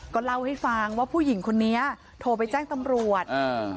ก็เล่าให้ฟังว่าผู้หญิงคนนี้โทรไปแจ้งตำรวจอ่า